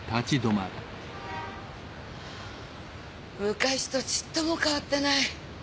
昔とちっとも変わってない。